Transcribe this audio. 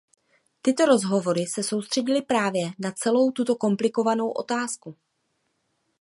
Tyto rozhovory se soustředily právě na celou tuto komplikovanou otázku.